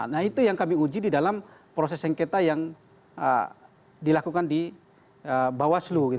nah itu yang kami uji di dalam proses sengketa yang dilakukan di bawaslu gitu